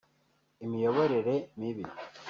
imiyoborere mibi